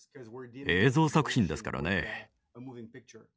映像作品ですからね。